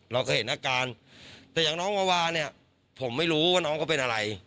เราเคยเห็นอาการแต่อย่างน้องวาวาเนี่ยผมไม่รู้ว่าน้องเขาเป็นอะไร